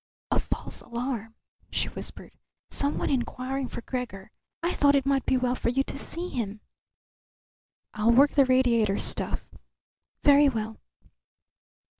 "A false alarm," she whispered. "Someone inquiring for Gregor. I thought it might be well for you to see him." "I'll work the radiator stuff." "Very well."